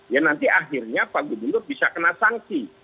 ya nanti akhirnya pak gubernur bisa kena sanksi